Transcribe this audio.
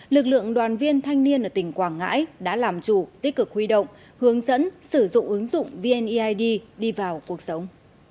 lực lượng đoàn viên thanh niên ở tỉnh quảng ngãi đã làm chủ tích cực huy động hướng dẫn sử dụng ứng dụng vneid đi vào cuộc sống